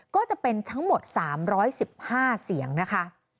ก็จะเป็นทั้งหมด๓๑๕เสียงนะคะ